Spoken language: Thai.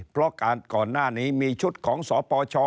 เพราะการก่อนหน้านี้มีชุดของสปช